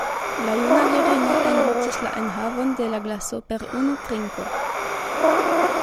La juna virino englutis la enhavon de la glaso per unu trinko.